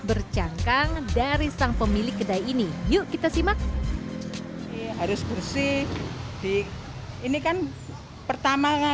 bercangkang dari sang pemilik kedai ini yuk kita simak harus bersih di ini kan pertama